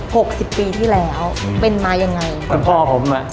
หกสิบปีที่แล้วเป็นมายังไงเป็นพ่อผมน่ะ